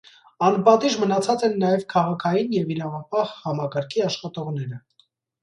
Անպատիժ մնացած են նաեւ քաղաքային եւ իրավապահ համակարգի աշխատողները։